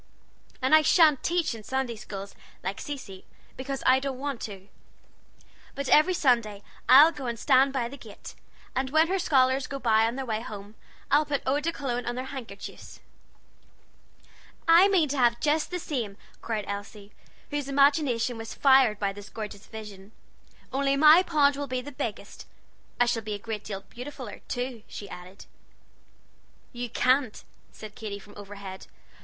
And I shan't teach in Sunday schools, like Cecy, because I don't want to; but every Sunday I'll go and stand by the gate, and when her scholars go by on their way home, I'll put Lubin's Extracts on their handkerchiefs." "I mean to have just the same," cried Elsie, whose imagination was fired by this gorgeous vision, "only my pond will be the biggest. I shall be a great deal beautifuller, too," she added. "You can't," said Katy from overhead.